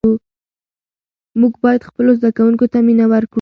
موږ باید خپلو زده کوونکو ته مینه ورکړو.